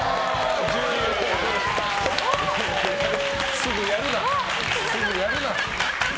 すぐやるな。